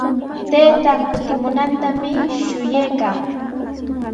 Taytaa kutimunantami shuyaykaa.